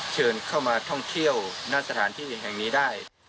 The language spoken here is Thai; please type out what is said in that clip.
เชิญเข้ามาท่องเที่ยวหน้าสถานที่อื่นแห่งนี้ได้